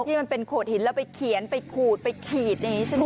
ที่มันเป็นโขดหินแล้วไปเขียนไปขูดไปขีดอย่างนี้ใช่ไหม